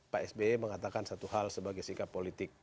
pak sby mengatakan satu hal sebagai sikap politik